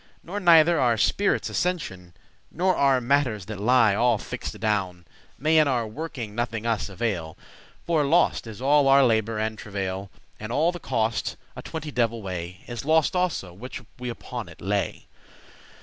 Nor neither our spirits' ascensioun, Nor our matters that lie all fix'd adown, May in our working nothing us avail; For lost is all our labour and travail, And all the cost, a twenty devil way, Is lost also, which we upon it lay.